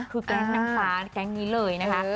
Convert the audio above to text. คือแก๊งนางฟ้าแก๊งนี้เลยนะคะ